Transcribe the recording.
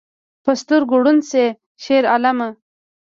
په سترګو ړوند شې شیرعالمه